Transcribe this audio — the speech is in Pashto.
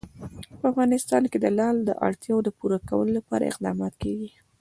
په افغانستان کې د لعل د اړتیاوو پوره کولو لپاره اقدامات کېږي.